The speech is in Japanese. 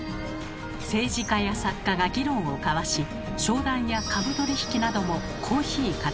政治家や作家が議論を交わし商談や株取引などもコーヒー片手に行われました。